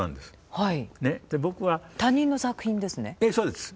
はい。